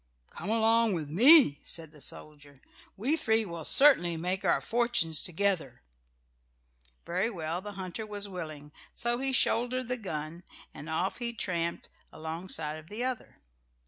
"Come along with me," said the soldier, "we three will certainly make our fortunes together." Very well; the hunter was willing. So he shouldered the gun and off he tramped alongside of the other.